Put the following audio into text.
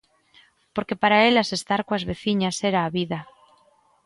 Porque para elas estar coas veciñas era a vida.